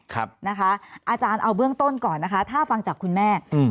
อาจารย์เอาเบื้องต้นก่อนนะคะถ้าฟังจากคุณแม่อืม